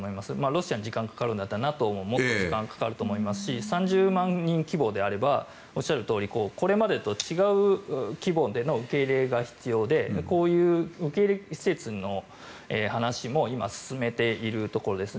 ロシアに時間がかかるんだったらＮＡＴＯももっと時間がかかると思いますし３０万人規模であればこれまでと違う規模の受け入れが必要でこういう受け入れ施設の話も今進めているところです。